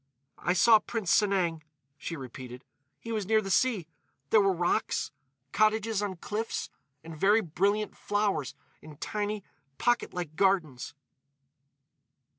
"I saw Prince Sanang," she repeated. "He was near the sea. There were rocks—cottages on cliffs—and very brilliant flowers in tiny, pocket like gardens.